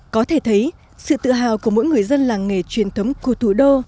có thể thấy sự tự hào của mỗi người dân làng nghề truyền thống của thủ đô